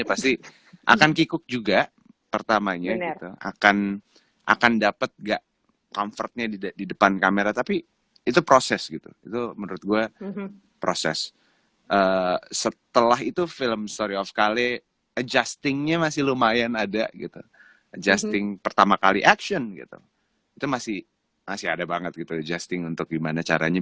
adjusting pertama kali action gitu itu masih masih ada banget gitu adjusting untuk gimana caranya